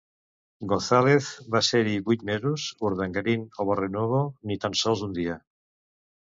González va ser-hi vuit mesos, Urdangarin o Barrionuevo, ni tan sols un dia.